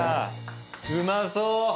うまそう！